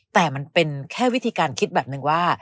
แต่มันเป็นแค่วิธีการคิดแบบนึงว่า